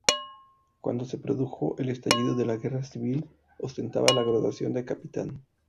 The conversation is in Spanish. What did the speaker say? Cuando se produjo el estallido de la Guerra civil, ostentaba la graduación de capitán.